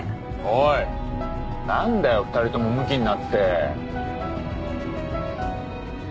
おい何だよ２人ともムキになって。